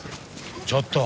ちょっと！